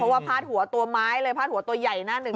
เพราะว่าพาดหัวตัวไม้เลยพาดหัวตัวใหญ่หน้าหนึ่ง